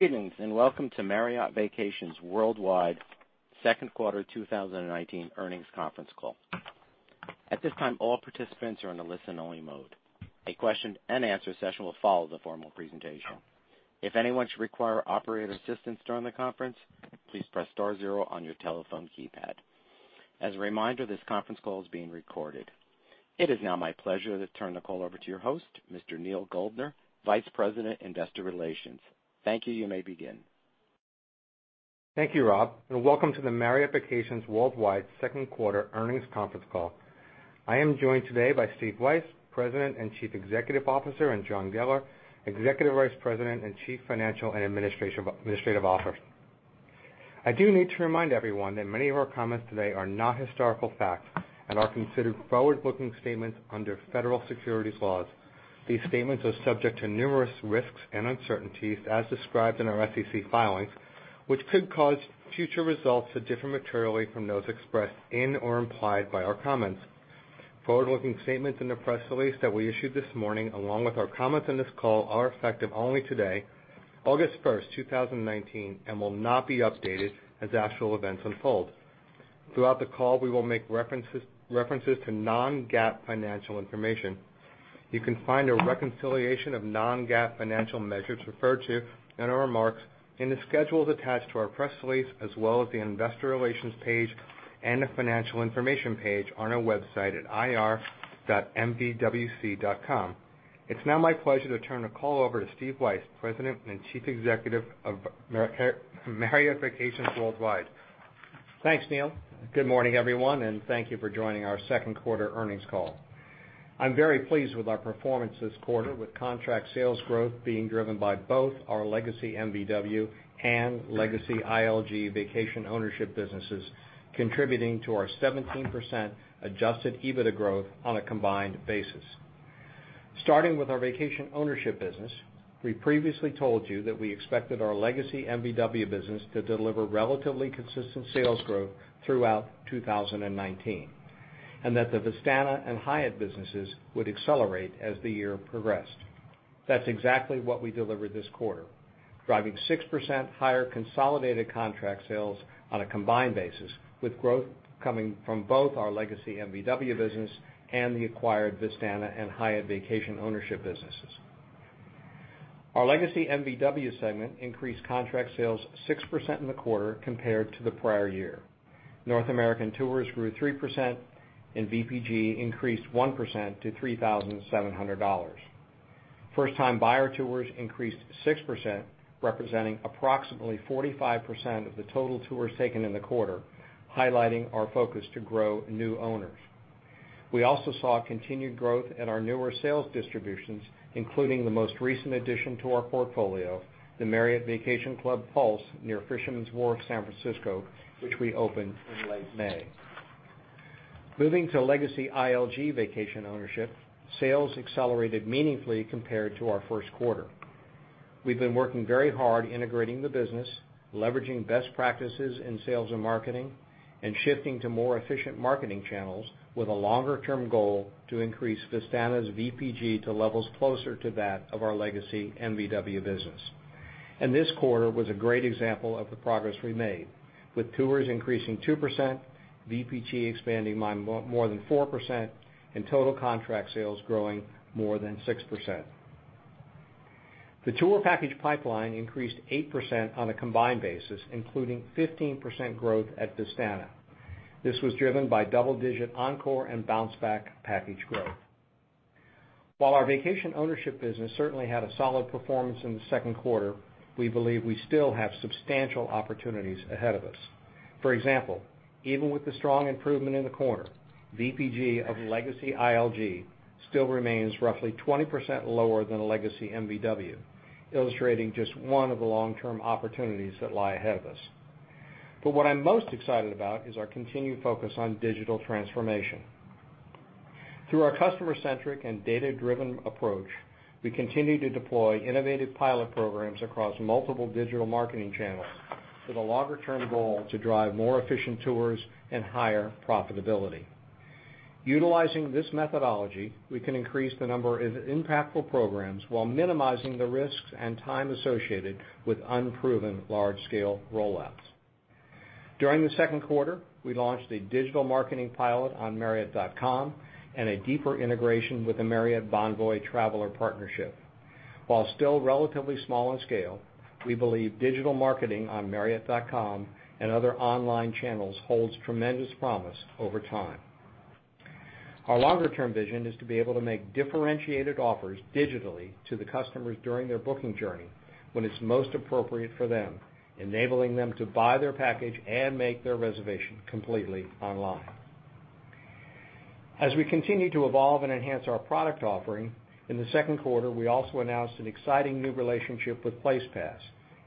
Good evening, welcome to Marriott Vacations Worldwide Second Quarter 2019 Earnings Conference Call. At this time, all participants are in a listen-only mode. A question and answer session will follow the formal presentation. If anyone should require operator assistance during the conference, please press star zero on your telephone keypad. As a reminder, this conference call is being recorded. It is now my pleasure to turn the call over to your host, Mr. Neal Goldner, Vice President, Investor Relations. Thank you. You may begin. Thank you, Rob, and welcome to the Marriott Vacations Worldwide Second Quarter Earnings Conference Call. I am joined today by Steve Weisz, President and Chief Executive Officer, and John Geller, Executive Vice President and Chief Financial and Administrative Officer. I do need to remind everyone that many of our comments today are not historical facts and are considered forward-looking statements under federal securities laws. These statements are subject to numerous risks and uncertainties as described in our SEC filings, which could cause future results to differ materially from those expressed in or implied by our comments. Forward-looking statements in the press release that we issued this morning, along with our comments on this call, are effective only today, August 1st, 2019, and will not be updated as actual events unfold. Throughout the call, we will make references to non-GAAP financial information. You can find a reconciliation of non-GAAP financial measures referred to in our remarks in the schedules attached to our press release, as well as the investor relations page and the financial information page on our website at ir.mvwc.com. It's now my pleasure to turn the call over to Steve Weisz, President and Chief Executive Officer of Marriott Vacations Worldwide. Thanks, Neal. Good morning, everyone, and thank you for joining our second quarter earnings call. I'm very pleased with our performance this quarter, with contract sales growth being driven by both our legacy MVW and legacy ILG vacation ownership businesses, contributing to our 17% adjusted EBITDA growth on a combined basis. Starting with our vacation ownership business, we previously told you that we expected our legacy MVW business to deliver relatively consistent sales growth throughout 2019, and that the Vistana and Hyatt businesses would accelerate as the year progressed. That's exactly what we delivered this quarter, driving 6% higher consolidated contract sales on a combined basis, with growth coming from both our legacy MVW business and the acquired Vistana and Hyatt vacation ownership businesses. Our legacy MVW segment increased contract sales 6% in the quarter compared to the prior year. North American tours grew 3%, and VPG increased 1% to $3,700. First-time buyer tours increased 6%, representing approximately 45% of the total tours taken in the quarter, highlighting our focus to grow new owners. We also saw continued growth at our newer sales distributions, including the most recent addition to our portfolio, the Marriott Vacation Club Pulse near Fisherman's Wharf, San Francisco, which we opened in late May. Moving to legacy ILG vacation ownership, sales accelerated meaningfully compared to our first quarter. We've been working very hard integrating the business, leveraging best practices in sales and marketing, and shifting to more efficient marketing channels with a longer-term goal to increase Vistana's VPG to levels closer to that of our legacy MVW business. This quarter was a great example of the progress we made with tours increasing 2%, VPG expanding more than 4%, and total contract sales growing more than 6%. The tour package pipeline increased 8% on a combined basis, including 15% growth at Vistana. This was driven by double-digit Encore and Bounce Back package growth. While our vacation ownership business certainly had a solid performance in the second quarter, we believe we still have substantial opportunities ahead of us. For example, even with the strong improvement in the quarter, VPG of legacy ILG still remains roughly 20% lower than a legacy MVW, illustrating just one of the long-term opportunities that lie ahead of us. What I'm most excited about is our continued focus on digital transformation. Through our customer-centric and data-driven approach, we continue to deploy innovative pilot programs across multiple digital marketing channels with a longer term goal to drive more efficient tours and higher profitability. Utilizing this methodology, we can increase the number of impactful programs while minimizing the risks and time associated with unproven large-scale rollouts. During the second quarter, we launched a digital marketing pilot on marriott.com and a deeper integration with the Marriott Bonvoy Traveler partnership. While still relatively small in scale, we believe digital marketing on marriott.com and other online channels holds tremendous promise over time. Our longer-term vision is to be able to make differentiated offers digitally to the customers during their booking journey when it's most appropriate for them, enabling them to buy their package and make their reservation completely online. As we continue to evolve and enhance our product offering, in the second quarter, we also announced an exciting new relationship with PlacePass,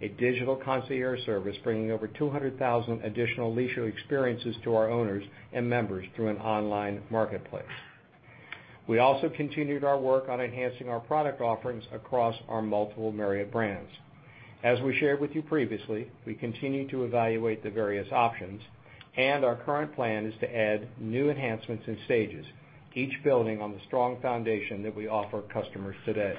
a digital concierge service bringing over 200,000 additional leisure experiences to our owners and members through an online marketplace. We also continued our work on enhancing our product offerings across our multiple Marriott brands. As we shared with you previously, we continue to evaluate the various options. Our current plan is to add new enhancements in stages, each building on the strong foundation that we offer customers today.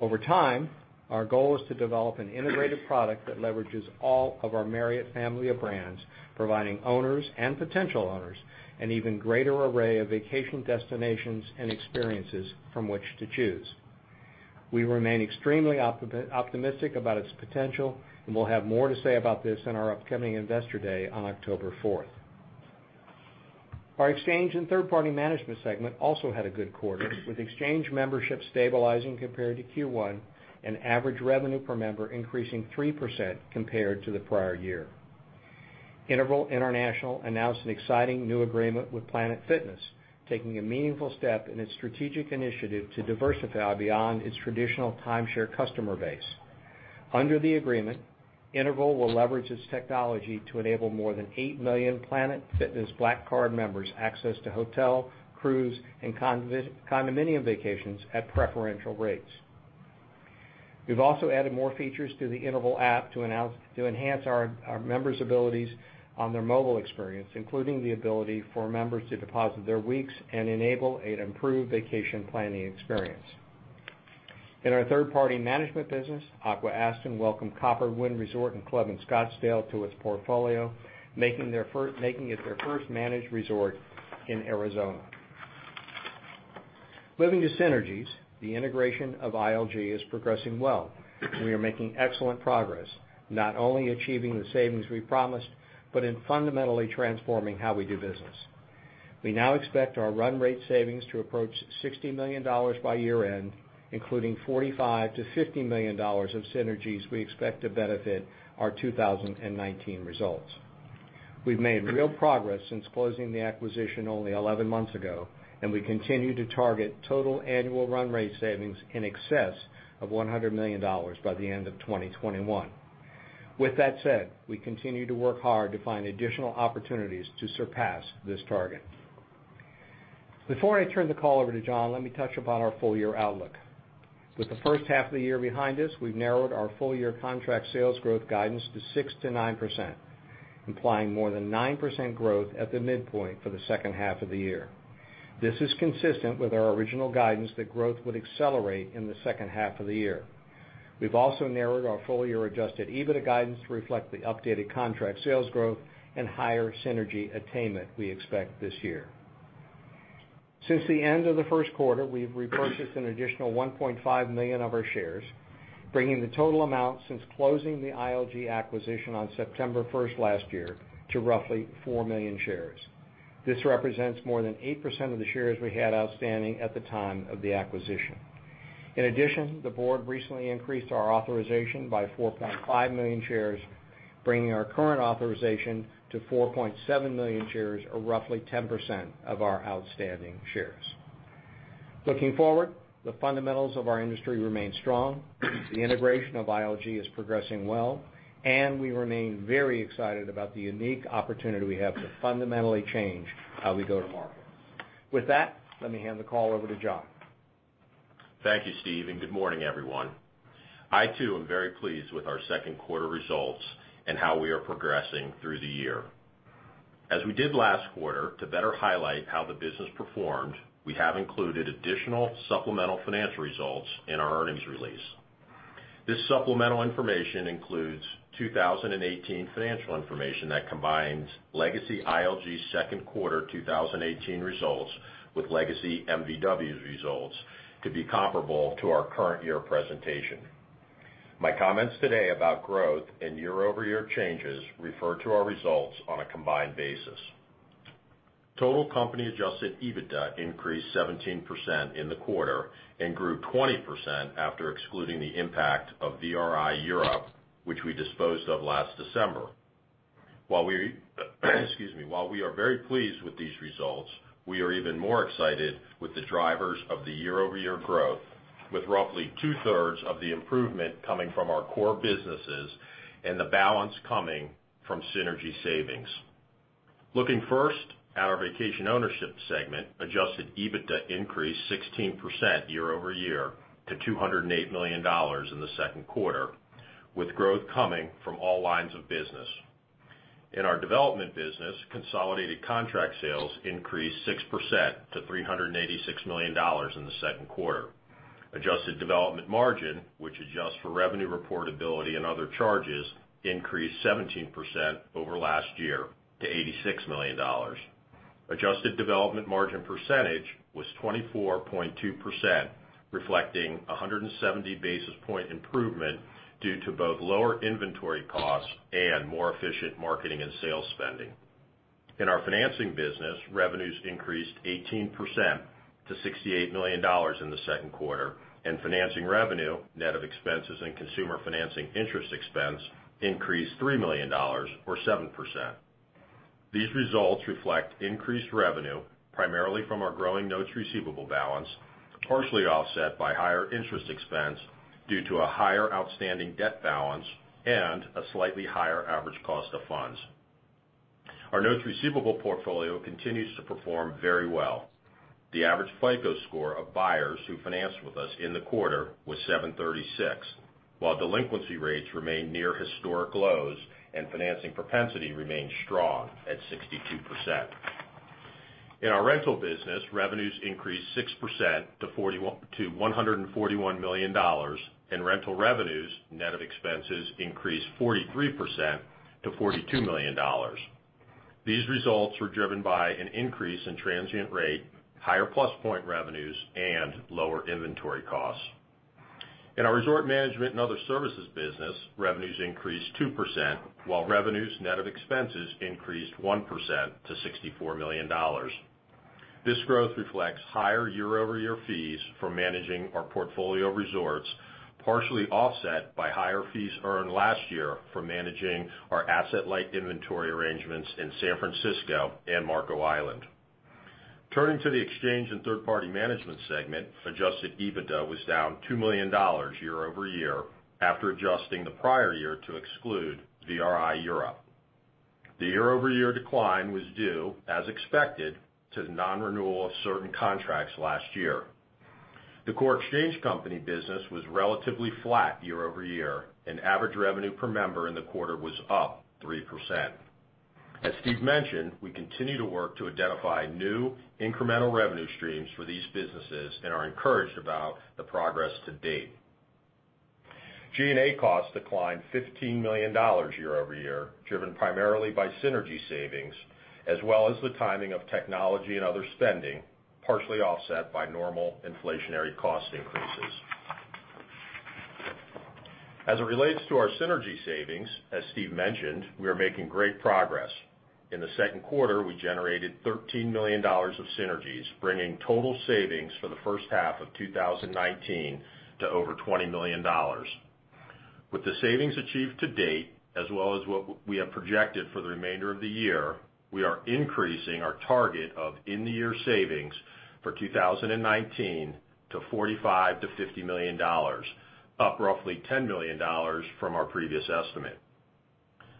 Over time, our goal is to develop an integrated product that leverages all of our Marriott family of brands, providing owners and potential owners an even greater array of vacation destinations and experiences from which to choose. We remain extremely optimistic about its potential, and we'll have more to say about this in our upcoming Investor Day on October 4th. Our exchange and third-party management segment also had a good quarter, with exchange membership stabilizing compared to Q1 and average revenue per member increasing 3% compared to the prior year. Interval International announced an exciting new agreement with Planet Fitness, taking a meaningful step in its strategic initiative to diversify beyond its traditional timeshare customer base. Under the agreement, Interval will leverage its technology to enable more than 8 million Planet Fitness Black Card members access to hotel, cruise, and condominium vacations at preferential rates. We've also added more features to the Interval app to enhance our members' abilities on their mobile experience, including the ability for members to deposit their weeks and enable an improved vacation planning experience. In our third-party management business, Aqua-Aston welcomed CopperWynd Resort & Club in Scottsdale to its portfolio, making it their first managed resort in Arizona. Moving to synergies, the integration of ILG is progressing well. We are making excellent progress, not only achieving the savings we promised, but in fundamentally transforming how we do business. We now expect our run rate savings to approach $60 million by year-end, including $45 million-$50 million of synergies we expect to benefit our 2019 results. We've made real progress since closing the acquisition only 11 months ago. We continue to target total annual run rate savings in excess of $100 million by the end of 2021. With that said, we continue to work hard to find additional opportunities to surpass this target. Before I turn the call over to John, let me touch upon our full-year outlook. With the first half of the year behind us, we've narrowed our full-year contract sales growth guidance to 6%-9%, implying more than 9% growth at the midpoint for the second half of the year. This is consistent with our original guidance that growth would accelerate in the second half of the year. We've also narrowed our full-year adjusted EBITDA guidance to reflect the updated contract sales growth and higher synergy attainment we expect this year. Since the end of the first quarter, we've repurchased an additional $1.5 million of our shares, bringing the total amount since closing the ILG acquisition on September 1st last year to roughly 4 million shares. This represents more than 8% of the shares we had outstanding at the time of the acquisition. In addition, the board recently increased our authorization by 4.5 million shares, bringing our current authorization to 4.7 million shares, or roughly 10% of our outstanding shares. Looking forward, the fundamentals of our industry remain strong, the integration of ILG is progressing well, and we remain very excited about the unique opportunity we have to fundamentally change how we go to market. With that, let me hand the call over to John. Thank you, Steve, and good morning, everyone. I too am very pleased with our second quarter results and how we are progressing through the year. As we did last quarter, to better highlight how the business performed, we have included additional supplemental financial results in our earnings release. This supplemental information includes 2018 financial information that combines legacy ILG's second quarter 2018 results with legacy MVW's results to be comparable to our current year presentation. My comments today about growth and year-over-year changes refer to our results on a combined basis. Total company adjusted EBITDA increased 17% in the quarter and grew 20% after excluding the impact of VRI Europe, which we disposed of last December. While we are very pleased with these results, we are even more excited with the drivers of the year-over-year growth, with roughly two-thirds of the improvement coming from our core businesses and the balance coming from synergy savings. Looking first at our vacation ownership segment, adjusted EBITDA increased 16% year-over-year to $208 million in the second quarter, with growth coming from all lines of business. In our development business, consolidated contract sales increased 6% to $386 million in the second quarter. Adjusted development margin, which adjusts for revenue reportability and other charges, increased 17% over last year to $86 million. Adjusted development margin percentage was 24.2%, reflecting a 170-basis-point improvement due to both lower inventory costs and more efficient marketing and sales spending. In our financing business, revenues increased 18% to $68 million in the second quarter. Financing revenue, net of expenses and consumer financing interest expense, increased $3 million or 7%. These results reflect increased revenue, primarily from our growing notes receivable balance, partially offset by higher interest expense due to a higher outstanding debt balance and a slightly higher average cost of funds. Our notes receivable portfolio continues to perform very well. The average FICO score of buyers who financed with us in the quarter was 736, while delinquency rates remained near historic lows and financing propensity remained strong at 62%. In our rental business, revenues increased 6% to $141 million. Rental revenues, net of expenses, increased 43% to $42 million. These results were driven by an increase in transient rate, higher plus point revenues, and lower inventory costs. In our resort management and other services business, revenues increased 2%, while revenues, net of expenses, increased 1% to $64 million. This growth reflects higher year-over-year fees for managing our portfolio of resorts, partially offset by higher fees earned last year for managing our asset-light inventory arrangements in San Francisco and Marco Island. Turning to the Exchange and Third-Party Management segment, adjusted EBITDA was down $2 million year-over-year after adjusting the prior year to exclude VRI Europe. The year-over-year decline was due, as expected, to the non-renewal of certain contracts last year. The core exchange company business was relatively flat year-over-year, and average revenue per member in the quarter was up 3%. As Steve mentioned, we continue to work to identify new incremental revenue streams for these businesses and are encouraged about the progress to date. G&A costs declined $15 million year-over-year, driven primarily by synergy savings, as well as the timing of technology and other spending, partially offset by normal inflationary cost increases. As it relates to our synergy savings, as Steve mentioned, we are making great progress. In the second quarter, we generated $13 million of synergies, bringing total savings for the first half of 2019 to over $20 million. With the savings achieved to date, as well as what we have projected for the remainder of the year, we are increasing our target of in the year savings for 2019 to $45 million-$50 million, up roughly $10 million from our previous estimate.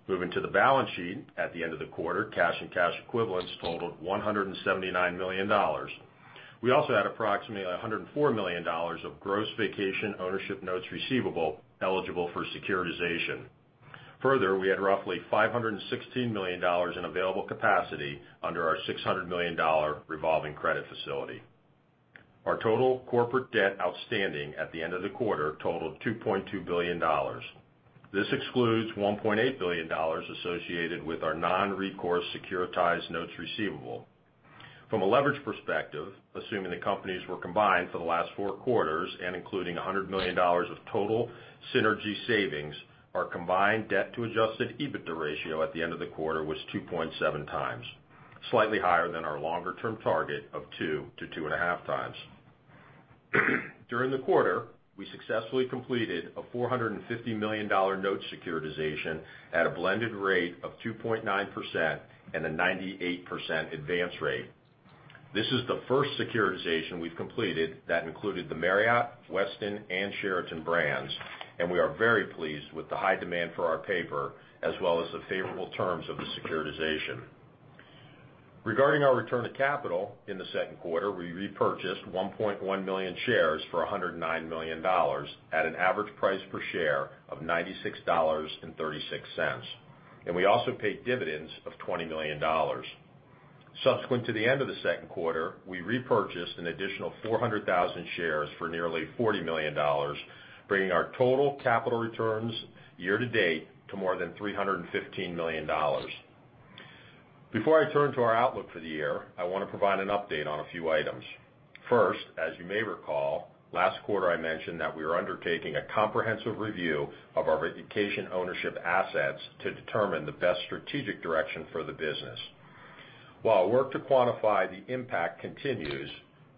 Moving to the balance sheet, at the end of the quarter, cash and cash equivalents totaled $179 million. We also had approximately $104 million of gross vacation ownership notes receivable eligible for securitization. We had roughly $516 million in available capacity under our $600 million revolving credit facility. Our total corporate debt outstanding at the end of the quarter totaled $2.2 billion. This excludes $1.8 billion associated with our non-recourse securitized notes receivable. From a leverage perspective, assuming the companies were combined for the last four quarters and including $100 million of total synergy savings, our combined debt to adjusted EBITDA ratio at the end of the quarter was 2.7 times, slightly higher than our longer-term target of 2 to 2.5 times. During the quarter, we successfully completed a $450 million note securitization at a blended rate of 2.9% and a 98% advance rate. This is the first securitization we've completed that included the Marriott, Westin, and Sheraton brands. We are very pleased with the high demand for our paper, as well as the favorable terms of the securitization. Regarding our return to capital, in the second quarter, we repurchased 1.1 million shares for $109 million at an average price per share of $96.36, and we also paid dividends of $20 million. Subsequent to the end of the second quarter, we repurchased an additional 400,000 shares for nearly $40 million, bringing our total capital returns year-to-date to more than $315 million. Before I turn to our outlook for the year, I want to provide an update on a few items. First, as you may recall, last quarter I mentioned that we are undertaking a comprehensive review of our vacation ownership assets to determine the best strategic direction for the business. While our work to quantify the impact continues,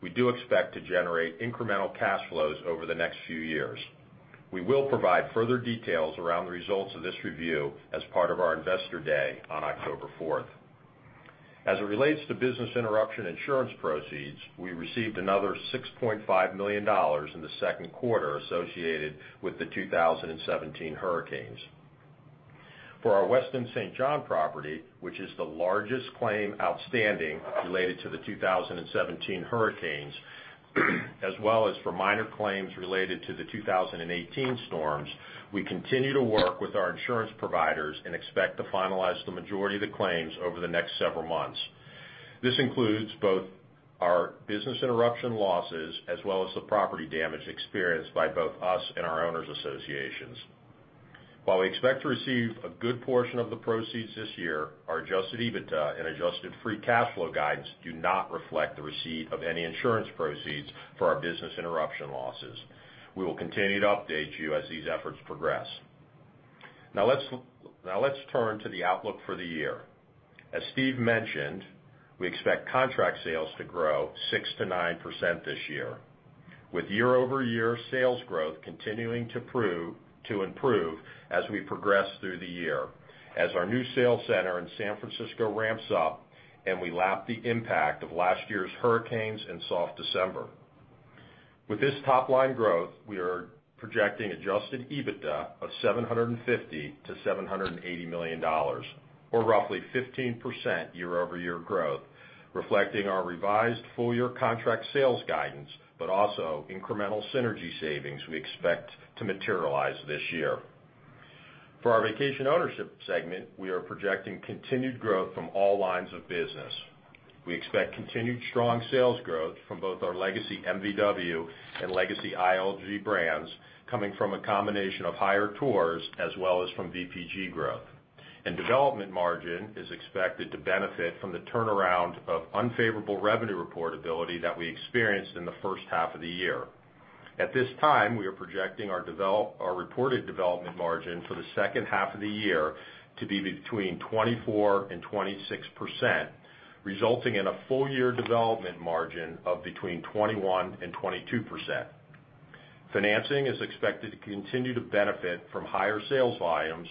we do expect to generate incremental cash flows over the next few years. We will provide further details around the results of this review as part of our Investor Day on October 4th. As it relates to business interruption insurance proceeds, we received another $6.5 million in the second quarter associated with the 2017 hurricanes. For our Westin St. John property, which is the largest claim outstanding related to the 2017 hurricanes, as well as for minor claims related to the 2018 storms, we continue to work with our insurance providers and expect to finalize the majority of the claims over the next several months. This includes both our business interruption losses, as well as the property damage experienced by both us and our owners associations. While we expect to receive a good portion of the proceeds this year, our adjusted EBITDA and adjusted free cash flow guidance do not reflect the receipt of any insurance proceeds for our business interruption losses. We will continue to update you as these efforts progress. Now let's turn to the outlook for the year. As Steve mentioned, we expect contract sales to grow 6%-9% this year, with year-over-year sales growth continuing to improve as we progress through the year, as our new sales center in San Francisco ramps up and we lap the impact of last year's hurricanes and soft December. With this top-line growth, we are projecting adjusted EBITDA of $750 million-$780 million, or roughly 15% year-over-year growth, reflecting our revised full-year contract sales guidance, but also incremental synergy savings we expect to materialize this year. For our vacation ownership segment, we are projecting continued growth from all lines of business. We expect continued strong sales growth from both our legacy MVW and legacy ILG brands coming from a combination of higher tours as well as from VPG growth. Development margin is expected to benefit from the turnaround of unfavorable revenue reportability that we experienced in the first half of the year. At this time, we are projecting our reported development margin for the second half of the year to be between 24% and 26%, resulting in a full-year development margin of between 21% and 22%. Financing is expected to continue to benefit from higher sales volumes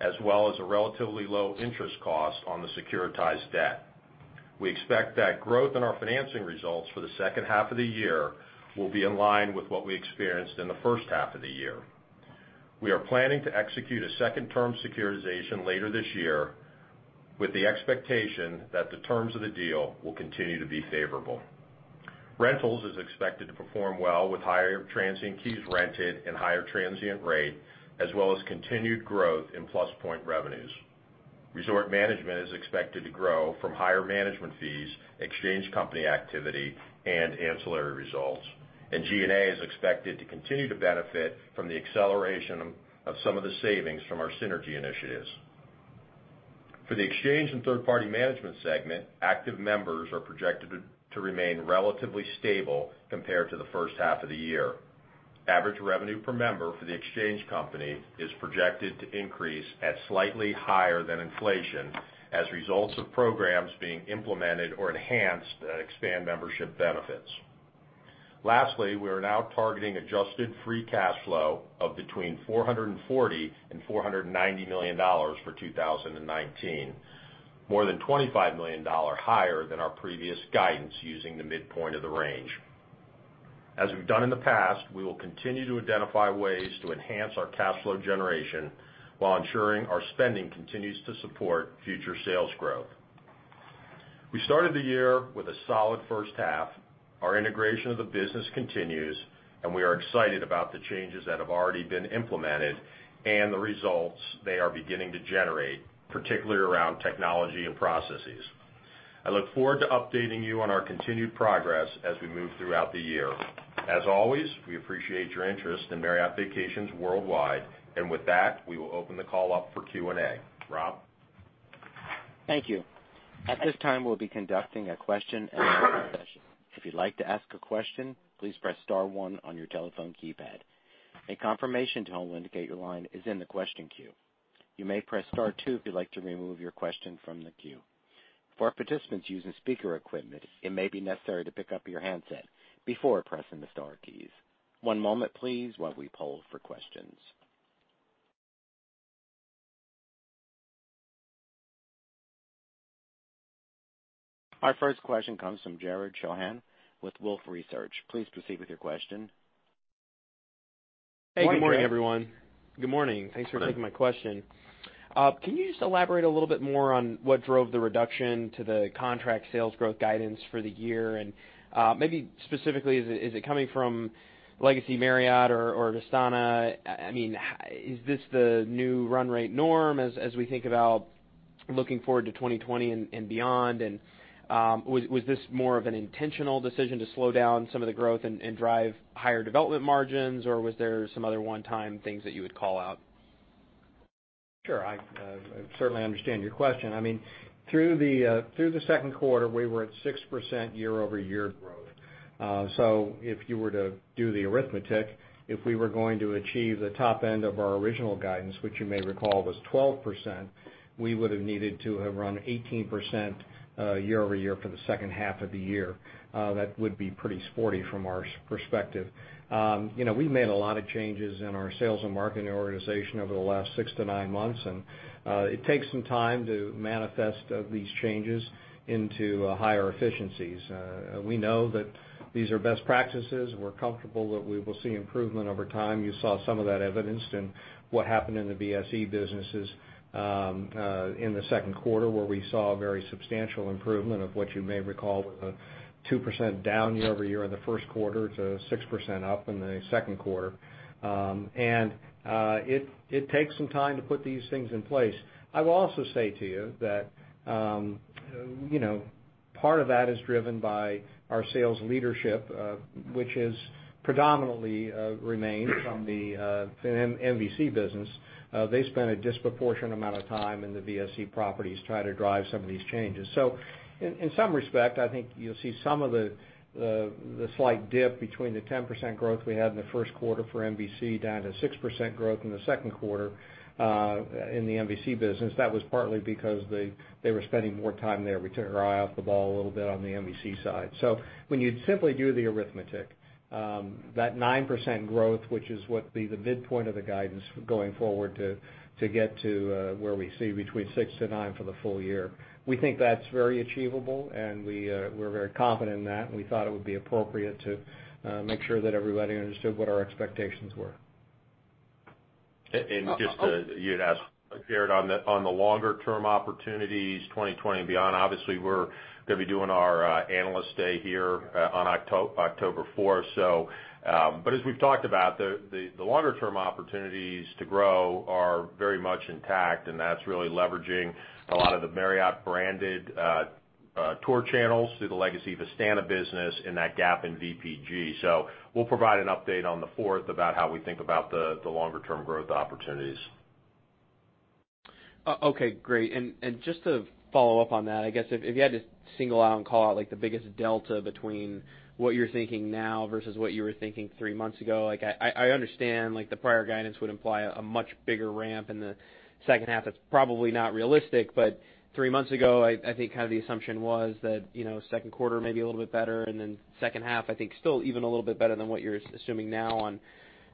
as well as a relatively low-interest cost on the securitized debt. We expect that growth in our financing results for the second half of the year will be in line with what we experienced in the first half of the year. We are planning to execute a second term securitization later this year with the expectation that the terms of the deal will continue to be favorable. Rentals is expected to perform well with higher transient keys rented and higher transient rate, as well as continued growth in plus points revenues. Resort management is expected to grow from higher management fees, exchange company activity, and ancillary results. G&A is expected to continue to benefit from the acceleration of some of the savings from our synergy initiatives. For the Exchange and Third-Party Management segment, active members are projected to remain relatively stable compared to the first half of the year. Average revenue per member for the exchange company is projected to increase at slightly higher than inflation as results of programs being implemented or enhanced that expand membership benefits. We are now targeting adjusted free cash flow of between $440 and $490 million for 2019, more than $25 million higher than our previous guidance using the midpoint of the range. As we've done in the past, we will continue to identify ways to enhance our cash flow generation while ensuring our spending continues to support future sales growth. We started the year with a solid first half. Our integration of the business continues, we are excited about the changes that have already been implemented and the results they are beginning to generate, particularly around technology and processes. I look forward to updating you on our continued progress as we move throughout the year. As always, we appreciate your interest in Marriott Vacations Worldwide. With that, we will open the call up for Q&A. Rob? Thank you. At this time, we'll be conducting a question and answer session. If you'd like to ask a question, please press star 1 on your telephone keypad. A confirmation tone will indicate your line is in the question queue. You may press star 2 if you'd like to remove your question from the queue. For participants using speaker equipment, it may be necessary to pick up your handset before pressing the star keys. One moment please while we poll for questions. Our first question comes from Jared Shojaian with Wolfe Research. Please proceed with your question. Good morning, Jared. Hey, good morning, everyone. Good morning. Thanks for taking my question. Can you just elaborate a little bit more on what drove the reduction to the contract sales growth guidance for the year? Maybe specifically, is it coming from Legacy Marriott or Vistana? Is this the new run rate norm as we think about looking forward to 2020 and beyond? Was this more of an intentional decision to slow down some of the growth and drive higher development margins, or was there some other one-time things that you would call out? Sure. I certainly understand your question. Through the second quarter, we were at 6% year-over-year growth. If you were to do the arithmetic, if we were going to achieve the top end of our original guidance, which you may recall was 12%, we would have needed to have run 18% year-over-year for the second half of the year. That would be pretty sporty from our perspective. We made a lot of changes in our sales and marketing organization over the last six to nine months, and it takes some time to manifest these changes into higher efficiencies. We know that these are best practices. We're comfortable that we will see improvement over time. You saw some of that evidenced in what happened in the VSE businesses in the second quarter, where we saw a very substantial improvement of what you may recall was a 2% down year-over-year in the first quarter to 6% up in the second quarter. It takes some time to put these things in place. I will also say to you that part of that is driven by our sales leadership, which has predominantly remained from the MVC business. They spent a disproportionate amount of time in the VSE properties trying to drive some of these changes. In some respect, I think you'll see some of the slight dip between the 10% growth we had in the first quarter for MVC down to 6% growth in the second quarter in the MVC business. That was partly because they were spending more time there. We took our eye off the ball a little bit on the MVC side. When you simply do the arithmetic, that 9% growth, which is what the midpoint of the guidance going forward to get to where we see between 6%-9% for the full year, we think that's very achievable and we're very confident in that, and we thought it would be appropriate to make sure that everybody understood what our expectations were. Just to, you had asked, Jared, on the longer term opportunities 2020 and beyond, obviously, we're going to be doing our Analyst Day here on October 4th. As we've talked about, the longer term opportunities to grow are very much intact, and that's really leveraging a lot of the Marriott branded tour channels through the legacy of the Vistana business and that gap in VPG. We'll provide an update on the fourth about how we think about the longer term growth opportunities. Okay, great. Just to follow up on that, I guess if you had to single out and call out like the biggest delta between what you're thinking now versus what you were thinking three months ago, I understand like the prior guidance would imply a much bigger ramp in the second half. That's probably not realistic. Three months ago, I think kind of the assumption was that second quarter may be a little bit better, then second half, I think still even a little bit better than what you're assuming now on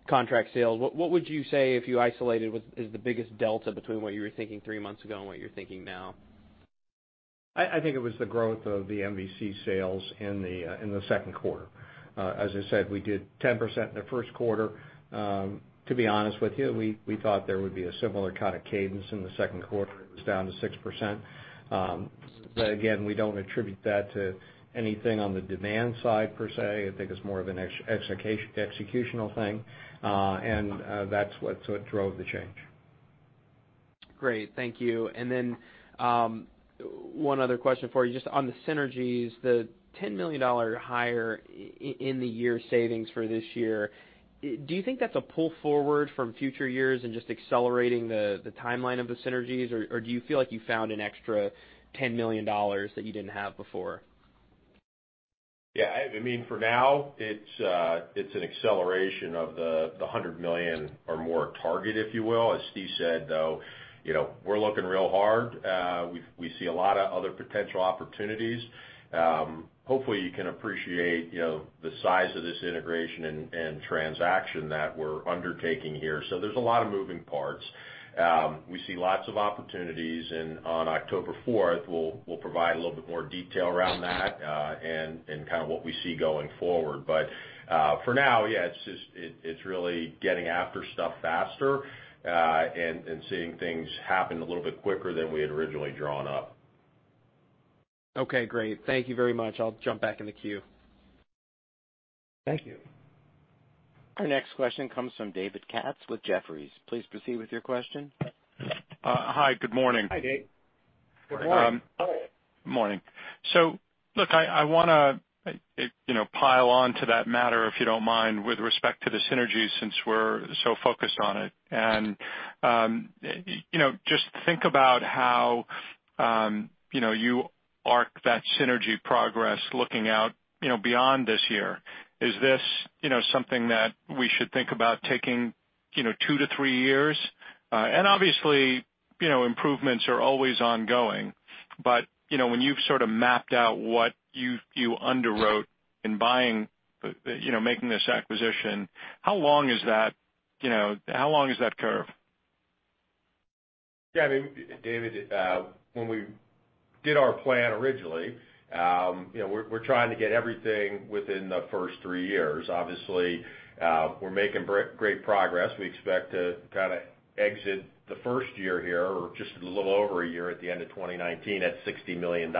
contract sales. What would you say if you isolated what is the biggest delta between what you were thinking three months ago and what you're thinking now? I think it was the growth of the MVC sales in the second quarter. As I said, we did 10% in the first quarter. To be honest with you, we thought there would be a similar kind of cadence in the second quarter. It was down to 6%. Again, we don't attribute that to anything on the demand side per se. I think it's more of an executional thing. That's what drove the change. Great. Thank you. One other question for you, just on the synergies, the $10 million higher in the year savings for this year. Do you think that's a pull forward from future years and just accelerating the timeline of the synergies, or do you feel like you found an extra $10 million that you didn't have before? Yeah, for now it's an acceleration of the $100 million or more target, if you will. As Steve said, though, we're looking real hard. We see a lot of other potential opportunities. Hopefully, you can appreciate the size of this integration and transaction that we're undertaking here. There's a lot of moving parts. We see lots of opportunities, and on October fourth, we'll provide a little bit more detail around that, and kind of what we see going forward. For now, yeah, it's really getting after stuff faster, and seeing things happen a little bit quicker than we had originally drawn up. Okay, great. Thank you very much. I'll jump back in the queue. Thank you. Our next question comes from David Katz with Jefferies. Please proceed with your question. Hi. Good morning. Hi, Dave. Good morning. Morning. Look, I wanna pile on to that matter, if you don't mind, with respect to the synergies, since we're so focused on it. Just think about how you arc that synergy progress looking out beyond this year. Is this something that we should think about taking two to three years? Obviously, improvements are always ongoing. When you've sort of mapped out what you underwrote in buying, making this acquisition, how long is that curve? Yeah, David, when we did our plan originally, we're trying to get everything within the first three years. Obviously, we're making great progress. We expect to kind of exit the first year here, or just a little over a year at the end of 2019, at $60 million.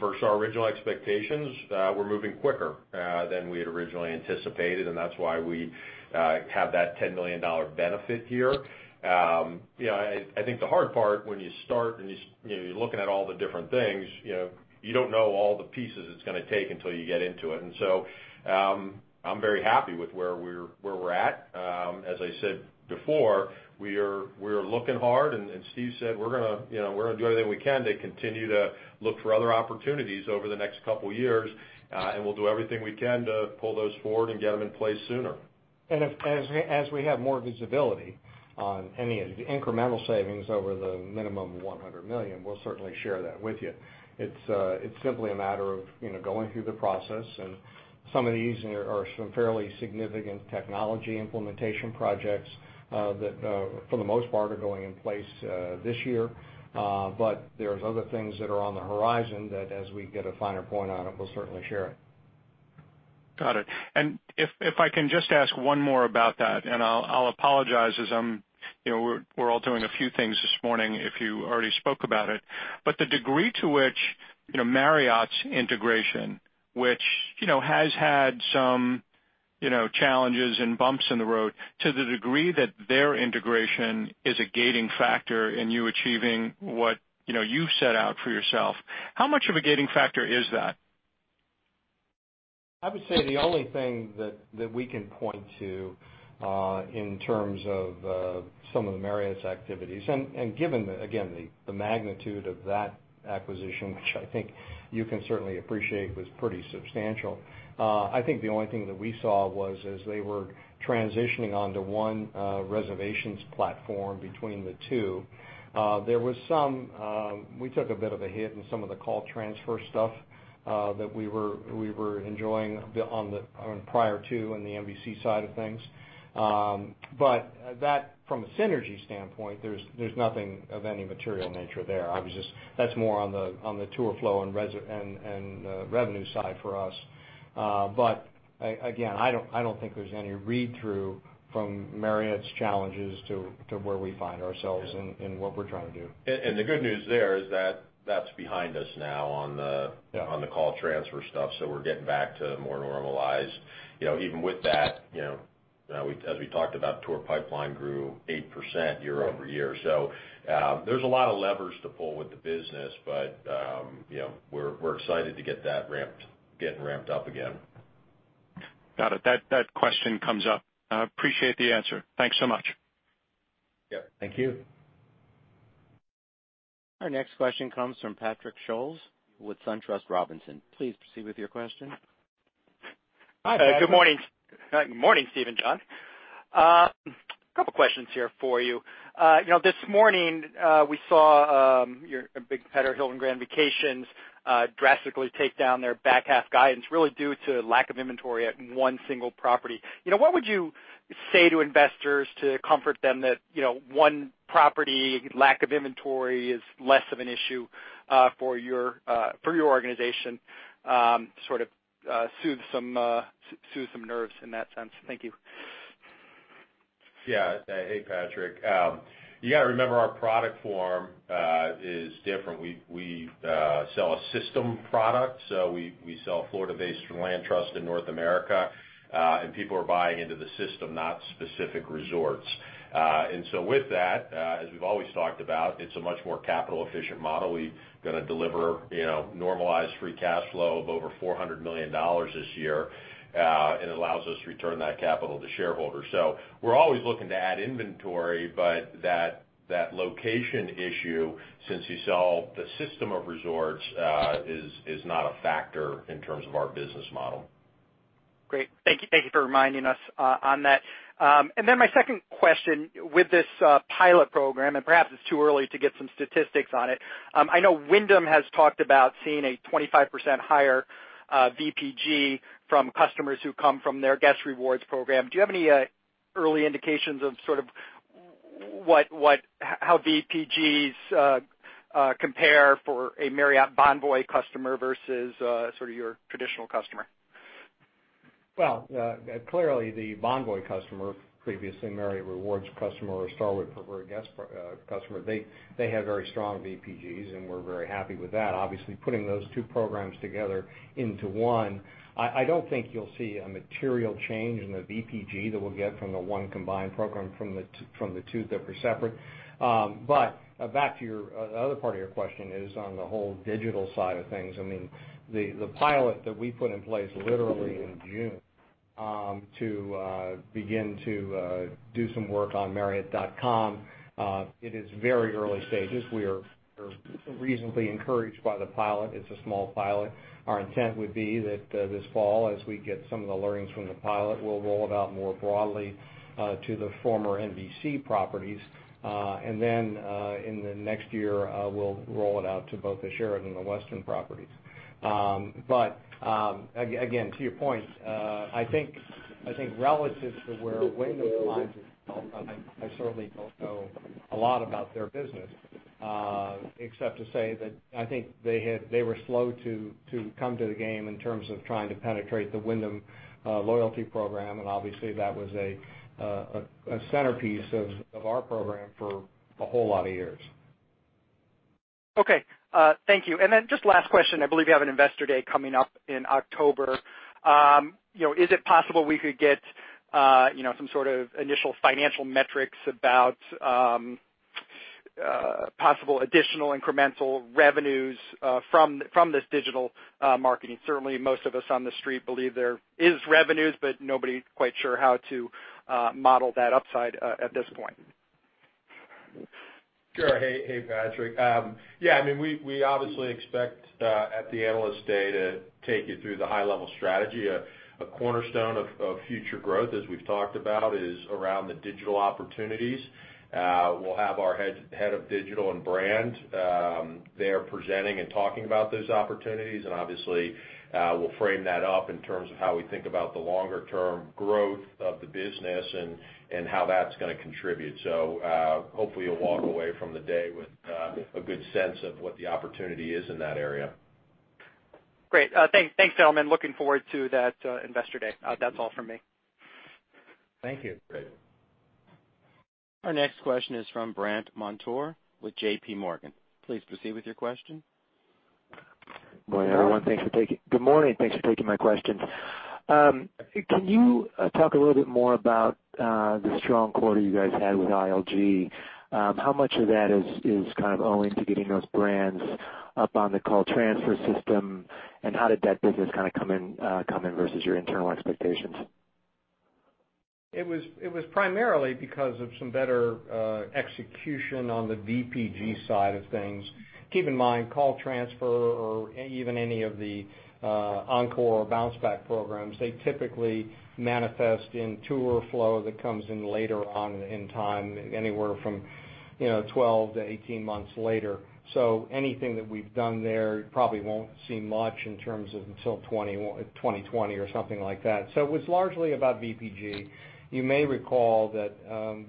Versus our original expectations, we're moving quicker, than we had originally anticipated, and that's why we have that $10 million benefit here. I think the hard part when you start and you're looking at all the different things, you don't know all the pieces it's going to take until you get into it. I'm very happy with where we're at. As I said before, we're looking hard and as Steve said, we're going to do everything we can to continue to look for other opportunities over the next couple of years, and we'll do everything we can to pull those forward and get them in place sooner. As we have more visibility on any of the incremental savings over the minimum of $100 million, we'll certainly share that with you. It's simply a matter of going through the process and some of these are some fairly significant technology implementation projects that for the most part are going in place this year. There's other things that are on the horizon that as we get a finer point on it, we'll certainly share it. Got it. If I can just ask one more about that, and I'll apologize as we're all doing a few things this morning if you already spoke about it. The degree to which Marriott's integration, which has had some challenges and bumps in the road, to the degree that their integration is a gating factor in you achieving what you've set out for yourself, how much of a gating factor is that? I would say the only thing that we can point to, in terms of some of the Marriott's activities, and given, again, the magnitude of that acquisition, which I think you can certainly appreciate was pretty substantial. I think the only thing that we saw was as they were transitioning onto one reservations platform between the two. We took a bit of a hit in some of the call transfer stuff, that we were enjoying on prior to in the MVC side of things. That from a synergy standpoint, there's nothing of any material nature there. Obviously, that's more on the tour flow and revenue side for us. Again, I don't think there's any read-through from Marriott's challenges to where we find ourselves and in what we're trying to do. The good news there is that's behind us now on the. Yeah on the call transfer stuff. We're getting back to more normalized. Even with that, as we talked about, tour pipeline grew 8% year-over-year. There's a lot of levers to pull with the business, but we're excited to get that getting ramped up again. Got it. That question comes up. Appreciate the answer. Thanks so much. Yeah. Thank you. Our next question comes from Patrick Scholes with SunTrust Robinson. Please proceed with your question. Hi. Good morning, Steve and John. A couple of questions here for you. This morning, we saw your big competitor, Hilton Grand Vacations, drastically take down their back half guidance, really due to lack of inventory at one single property. What would you say to investors to comfort them that one property lack of inventory is less of an issue for your organization, sort of soothe some nerves in that sense? Thank you. Yeah. Hey, Patrick. You got to remember our product form is different. We sell a system product. We sell Florida-based land trust in North America, and people are buying into the system, not specific resorts. With that, as we've always talked about, it's a much more capital efficient model. We're going to deliver normalized free cash flow of over $400 million this year, and allows us to return that capital to shareholders. We're always looking to add inventory, but that location issue, since you sell the system of resorts, is not a factor in terms of our business model. Great. Thank you for reminding us on that. Then my second question, with this pilot program, perhaps it's too early to get some statistics on it. I know Wyndham has talked about seeing a 25% higher VPG from customers who come from their guest rewards program. Do you have any early indications of sort of how VPGs compare for a Marriott Bonvoy customer versus sort of your traditional customer? Well, clearly the Marriott Bonvoy customer, previously Marriott Rewards customer or Starwood Preferred Guest customer, they have very strong VPGs, and we're very happy with that. Obviously, putting those two programs together into one, I don't think you'll see a material change in the VPG that we'll get from the one combined program from the two that were separate. Back to the other part of your question is on the whole digital side of things. The pilot that we put in place literally in June to begin to do some work on marriott.com, it is very early stages. We are reasonably encouraged by the pilot. It's a small pilot. Our intent would be that this fall, as we get some of the learnings from the pilot, we'll roll it out more broadly to the former MVC properties. In the next year, we'll roll it out to both the Sheraton and the Westin properties. Again, to your point, I think relative to where Wyndham's I certainly don't know a lot about their business, except to say that I think they were slow to come to the game in terms of trying to penetrate the Wyndham loyalty program, and obviously that was a centerpiece of our program for a whole lot of years. Okay. Thank you. Just last question, I believe you have an investor day coming up in October. Is it possible we could get some sort of initial financial metrics about possible additional incremental revenues from this digital marketing? Certainly, most of us on The Street believe there is revenues, but nobody's quite sure how to model that upside at this point. Sure. Hey, Patrick. Yeah, we obviously expect, at the Analyst Day, to take you through the high level strategy. A cornerstone of future growth, as we've talked about, is around the digital opportunities. We'll have our head of digital and brand there presenting and talking about those opportunities. Obviously, we'll frame that up in terms of how we think about the longer term growth of the business and how that's going to contribute. Hopefully you'll walk away from the day with a good sense of what the opportunity is in that area. Great. Thanks, gentlemen. Looking forward to that investor day. That's all from me. Thank you. Great. Our next question is from Brandt Montour with J.P. Morgan. Please proceed with your question. Good morning, everyone. Good morning. Thanks for taking my questions. Can you talk a little bit more about the strong quarter you guys had with ILG? How much of that is kind of owing to getting those brands up on the call transfer system, and how did that business kind of come in versus your internal expectations? It was primarily because of some better execution on the VPG side of things. Keep in mind, call transfer or even any of the Encore or Bounce Back programs, they typically manifest in tour flow that comes in later on in time, anywhere from 12 to 18 months later. Anything that we've done there, you probably won't see much in terms of until 2020 or something like that. It was largely about VPG. You may recall that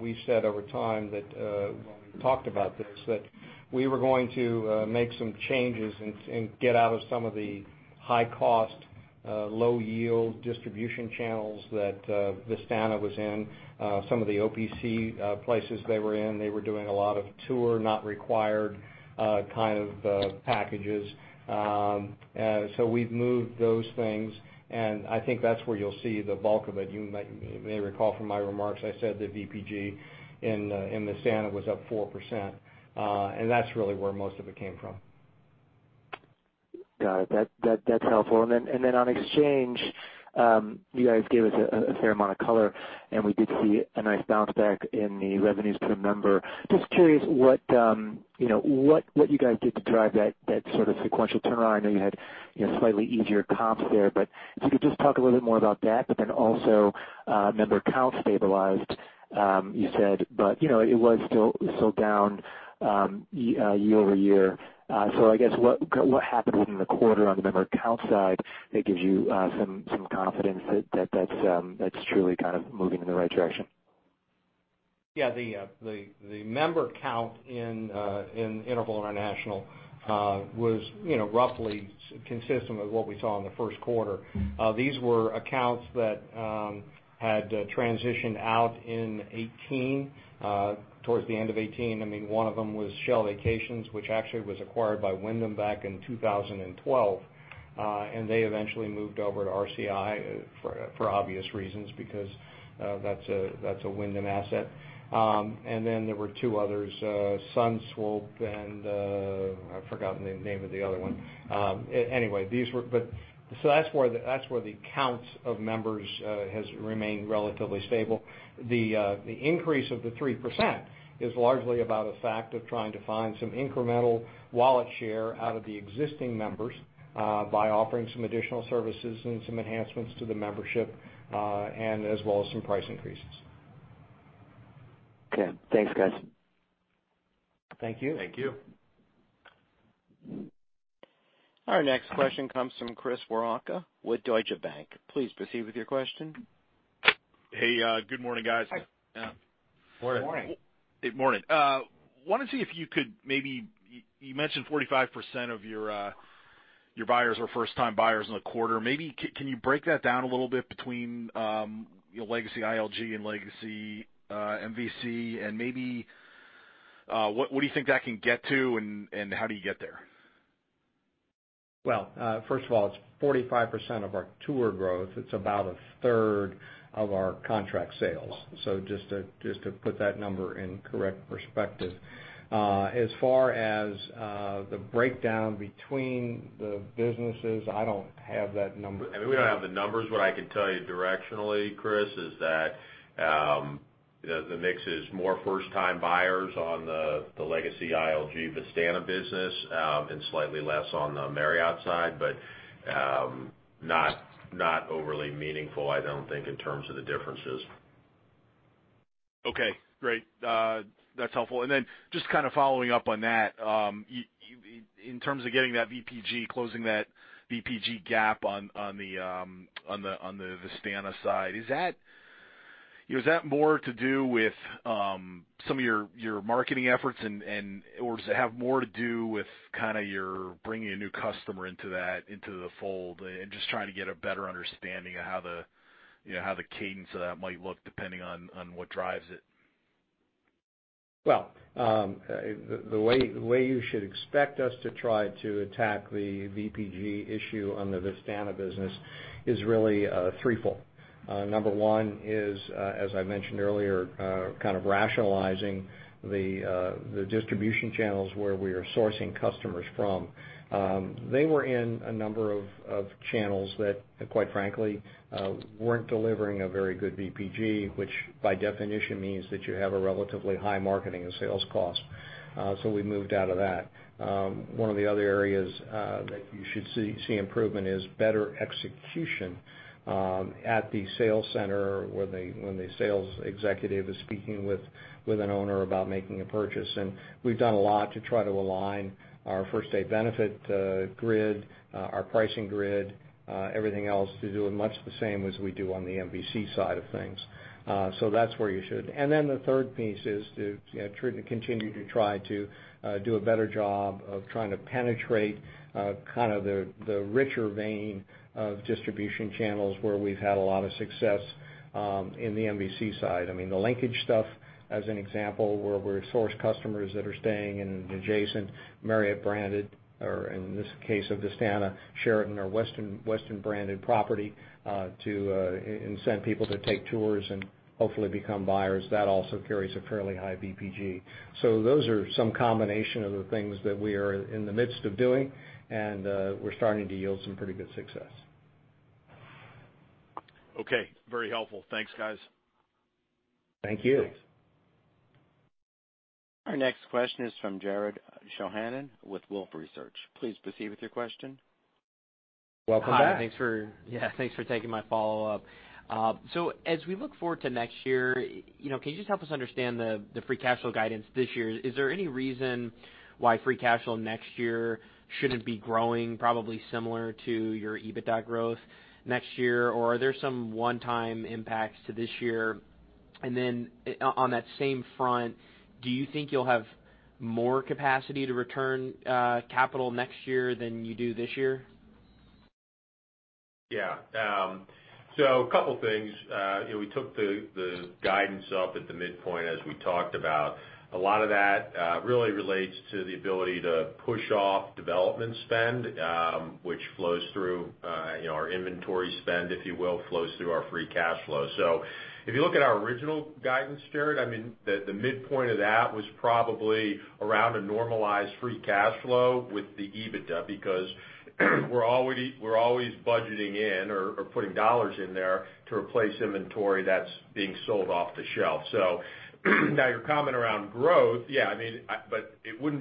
we said over time that, when we talked about this, that we were going to make some changes and get out of some of the high-cost, low-yield distribution channels that Vistana was in, some of the OPC places they were in, they were doing a lot of tour not required kind of packages. We've moved those things, and I think that's where you'll see the bulk of it. You may recall from my remarks, I said that VPG in Vistana was up 4%. That's really where most of it came from. Got it. That's helpful. On exchange, you guys gave us a fair amount of color and we did see a nice bounce back in the revenues per member. Just curious what you guys did to drive that sort of sequential turnaround. I know you had slightly easier comps there, if you could just talk a little bit more about that, also, member count stabilized, you said, but it was still down year-over-year. I guess what happened within the quarter on the member count side that gives you some confidence that that's truly kind of moving in the right direction? Yeah. The member count in Interval International was roughly consistent with what we saw in the first quarter. These were accounts that had transitioned out in 2018, towards the end of 2018. One of them was Shell Vacations, which actually was acquired by Wyndham back in 2012. They eventually moved over to RCI, for obvious reasons, because that's a Wyndham asset. There were two others, Sunterra and I've forgotten the name of the other one. That's where the counts of members has remained relatively stable. The increase of the 3% is largely about a fact of trying to find some incremental wallet share out of the existing members, by offering some additional services and some enhancements to the membership, and as well as some price increases. Okay. Thanks, guys. Thank you. Thank you. Our next question comes from Chris Woronka with Deutsche Bank. Please proceed with your question. Hey, good morning, guys. Hi. Morning. Morning. Good morning. I wanted to see if you could, you mentioned 45% of your buyers are first-time buyers in the quarter, maybe can you break that down a little bit between your legacy ILG and legacy MVC, and maybe what do you think that can get to and how do you get there? Well, first of all, it's 45% of our tour growth. It's about a third of our contract sales. Just to put that number in correct perspective. As far as the breakdown between the businesses, I don't have that number. I mean, we don't have the numbers, but what I can tell you directionally, Chris, is that the mix is more first-time buyers on the legacy ILG Vistana business, and slightly less on the Marriott side, but not overly meaningful, I don't think, in terms of the differences. Okay. Great. That's helpful. Then just kind of following up on that, in terms of getting that VPG, closing that VPG gap on the Vistana side, is that more to do with some of your marketing efforts and, or does it have more to do with kind of your bringing a new customer into the fold and just trying to get a better understanding of how the cadence of that might look depending on what drives it? Well, the way you should expect us to try to attack the VPG issue on the Vistana business is really threefold. Number one is, as I mentioned earlier, kind of rationalizing the distribution channels where we are sourcing customers from. They were in a number of channels that quite frankly, weren't delivering a very good VPG, which by definition means that you have a relatively high marketing and sales cost. We moved out of that. One of the other areas that you should see improvement is better execution at the sales center when the sales executive is speaking with an owner about making a purchase. We've done a lot to try to align our first day benefit grid, our pricing grid, everything else to do it much the same as we do on the MVC side of things. That's where you should. The third piece is to continue to try to do a better job of trying to penetrate kind of the richer vein of distribution channels where we've had a lot of success in the MVC side. I mean, the linkage stuff, as an example, where we source customers that are staying in adjacent Marriott branded, or in this case of Vistana, Sheraton or Westin branded property, to incent people to take tours and hopefully become buyers. That also carries a fairly high VPG. Those are some combination of the things that we are in the midst of doing, and we're starting to yield some pretty good success. Okay. Very helpful. Thanks, guys. Thank you. Thanks. Our next question is from Jared Shojaian with Wolfe Research. Please proceed with your question. Welcome back. Hi. Yeah, thanks for taking my follow-up. As we look forward to next year, can you just help us understand the free cash flow guidance this year? Is there any reason why free cash flow next year shouldn't be growing probably similar to your EBITDA growth next year? Are there some one-time impacts to this year? On that same front, do you think you'll have more capacity to return capital next year than you do this year? A couple things. We took the guidance up at the midpoint, as we talked about. A lot of that really relates to the ability to push off development spend which flows through our inventory spend, if you will, flows through our free cash flow. If you look at our original guidance, Jared, the midpoint of that was probably around a normalized free cash flow with the EBITDA, because we're always budgeting in or putting dollars in there to replace inventory that's being sold off the shelf. Now your comment around growth, yeah, but your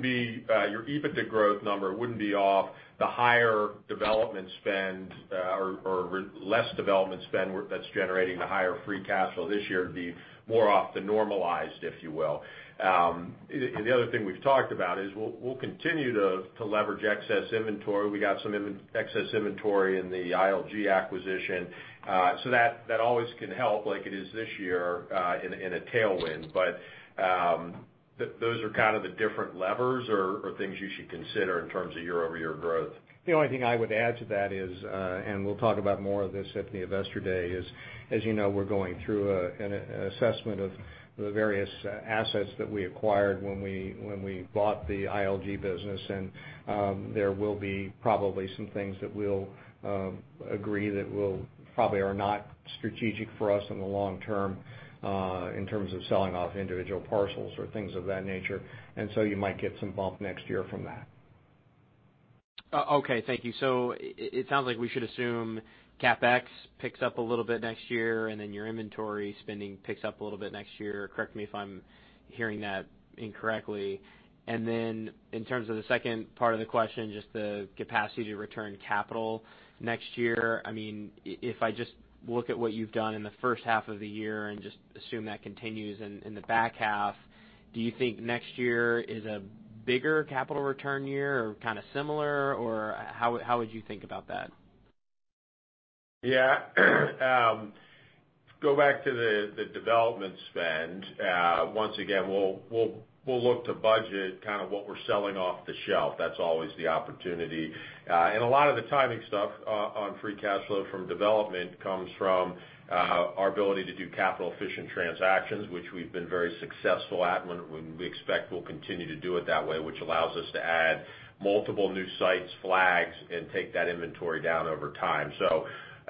EBITDA growth number wouldn't be off the higher development spend, or less development spend that's generating the higher free cash flow this year, it'd be more off the normalized, if you will. The other thing we've talked about is we'll continue to leverage excess inventory. We got some excess inventory in the ILG acquisition. That always can help like it is this year in a tailwind. Those are kind of the different levers or things you should consider in terms of year-over-year growth. The only thing I would add to that is, and we'll talk about more of this at the Investor Day, is, as you know, we're going through an assessment of the various assets that we acquired when we bought the ILG business. There will be probably some things that we'll agree that will probably are not strategic for us in the long term in terms of selling off individual parcels or things of that nature. You might get some bump next year from that. Okay, thank you. It sounds like we should assume CapEx picks up a little bit next year, and then your inventory spending picks up a little bit next year. Correct me if I'm hearing that incorrectly. In terms of the second part of the question, just the capacity to return capital next year. If I just look at what you've done in the first half of the year and just assume that continues in the back half, do you think next year is a bigger capital return year or kind of similar, or how would you think about that? Yeah. Go back to the development spend. Once again, we'll look to budget kind of what we're selling off the shelf. That's always the opportunity. A lot of the timing stuff on free cash flow from development comes from our ability to do capital-efficient transactions, which we've been very successful at, and we expect we'll continue to do it that way, which allows us to add multiple new sites, flags, and take that inventory down over time.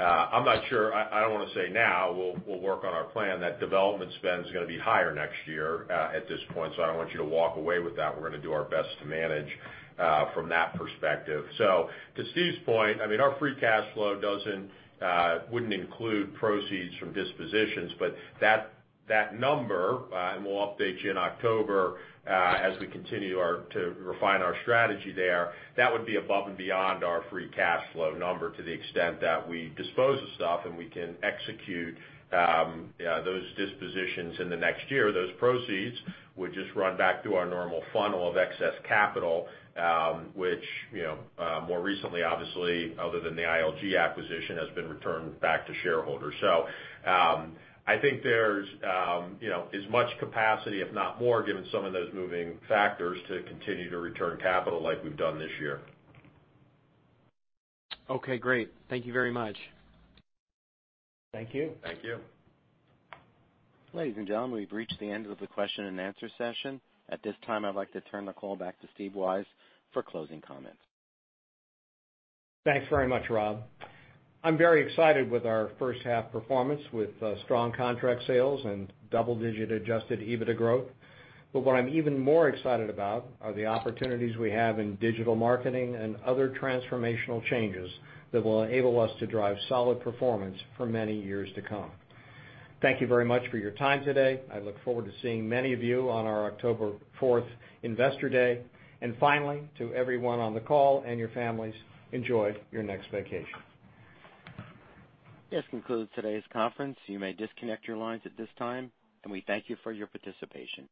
I'm not sure, I don't want to say now, we'll work on our plan, that development spend is going to be higher next year at this point. I don't want you to walk away with that. We're going to do our best to manage from that perspective. To Steve's point, our free cash flow wouldn't include proceeds from dispositions, but that number, and we'll update you in October as we continue to refine our strategy there, that would be above and beyond our free cash flow number to the extent that we dispose of stuff and we can execute those dispositions in the next year. Those proceeds would just run back through our normal funnel of excess capital, which more recently, obviously, other than the ILG acquisition, has been returned back to shareholders. I think there's as much capacity, if not more, given some of those moving factors, to continue to return capital like we've done this year. Okay, great. Thank you very much. Thank you. Thank you. Ladies and gentlemen, we've reached the end of the question and answer session. At this time, I'd like to turn the call back to Steve Weisz for closing comments. Thanks very much, Rob. I'm very excited with our first half performance with strong contract sales and double-digit adjusted EBITDA growth. What I'm even more excited about are the opportunities we have in digital marketing and other transformational changes that will enable us to drive solid performance for many years to come. Thank you very much for your time today. I look forward to seeing many of you on our October 4th Investor Day. Finally, to everyone on the call and your families, enjoy your next vacation. This concludes today's conference. You may disconnect your lines at this time. We thank you for your participation.